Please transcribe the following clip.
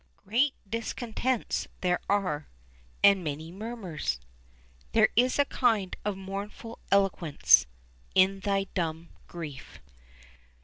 "Great discontents there are, and many murmurs." "There is a kind of mournful eloquence In thy dumb grief."